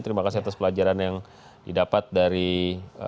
terima kasih atas pelajaran yang didapat dari bang jek